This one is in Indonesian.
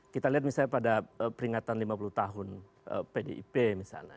kita lihat misalnya pada peringatan lima puluh tahun pdip misalnya